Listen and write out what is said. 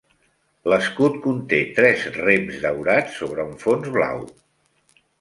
L'escut conté tres rems daurats sobre un fons blau.